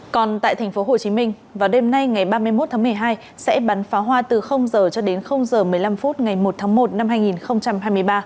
còn tại tp hcm vào đêm nay ngày ba mươi một tháng một mươi hai sẽ bắn phá hoa từ h cho đến h một mươi năm phút ngày một tháng một năm hai nghìn hai mươi ba